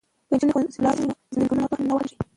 که نجونې ښوونځي ته لاړې شي نو ځنګلونه به نه وهل کیږي.